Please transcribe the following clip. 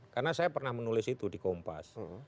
karena saya pernah menulis itu di kompas